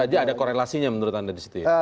jadi ada korelasinya menurut anda disitu ya